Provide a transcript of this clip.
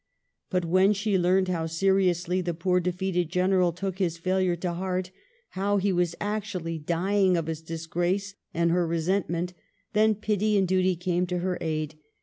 But when she learned how seriously the poor defeated general took his fail ure to heart, how he was actually dying of his disgrace and her resentment, then pity and duty came to her aid.